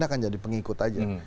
akan jadi pengikut aja